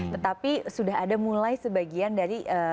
tetapi sudah ada mulai sebagian dari masyarakat terutama ibu ibu saya